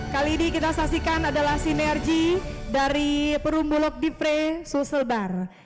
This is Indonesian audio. kali ini kita saksikan adalah sinergi dari perum bulog difre susebar